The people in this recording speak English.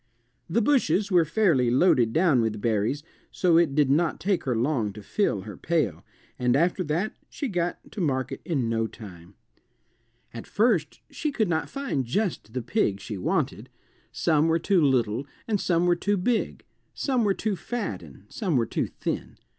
The bushes were fairly loaded down with berries, so it did not take her long to fill her pail, and after that she got to market in no time. At first she could not find just the pig she wanted. Some were too little and some were too big; some were too fat and some were too thin.